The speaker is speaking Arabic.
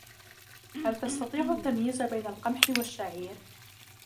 هل تستطيع التمييز بين القمح والشعير ؟